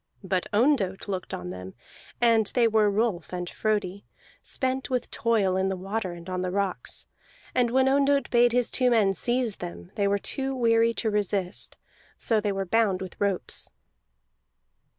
But Ondott looked on them, and they were Rolf and Frodi, spent with toil in the water and on the rocks. And when Ondott bade his two men seize them, they were too weary to resist; so they were bound with ropes.